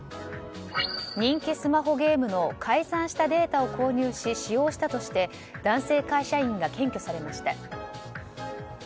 人気スマホゲームの改ざんしたデータを購入し使用したとして男性会社員が検挙されました。